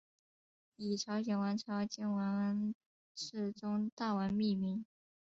以朝鲜王朝君王世宗大王命名。